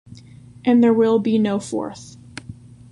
And there will be no fourth.